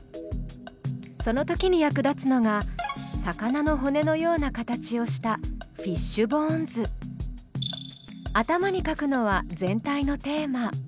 そのときに役立つのが魚の骨のような形をした頭に書くのは全体のテーマ。